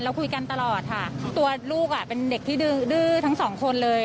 คุยกันตลอดค่ะตัวลูกเป็นเด็กที่ดื้อทั้งสองคนเลย